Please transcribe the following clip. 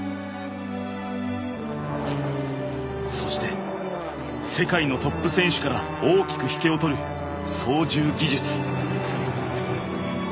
そして世界のトップ選手から大きく引けを取る操縦技術。